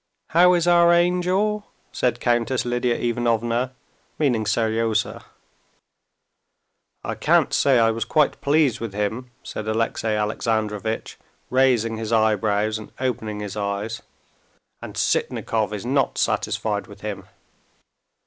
"How is our angel?" said Countess Lidia Ivanovna, meaning Seryozha. "I can't say I was quite pleased with him," said Alexey Alexandrovitch, raising his eyebrows and opening his eyes. "And Sitnikov is not satisfied with him."